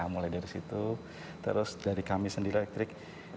mulai dari situ terus dari kami sendiri elektrik